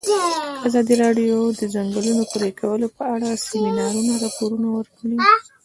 ازادي راډیو د د ځنګلونو پرېکول په اړه د سیمینارونو راپورونه ورکړي.